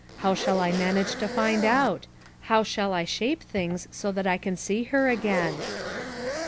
How shall I man age to find out? How shall I shape things so that I can see her again?